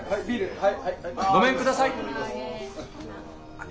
はい！